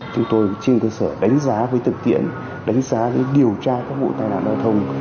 chúng tôi trên cơ sở đánh giá với thực tiễn đánh giá điều tra các vụ tai nạn giao thông